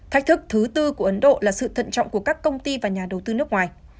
thách thức thứ tư của ấn độ là sự thận trọng của các công ty và nhà đầu tư nước ngoài